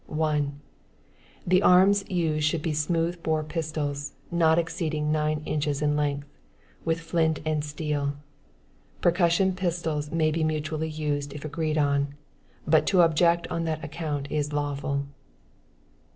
1. The arms used should be smooth bore pistols, not exceeding nine inches in length, with flint and steel. Percussion pistols may be mutually used if agreed on, but to object on that account is lawful.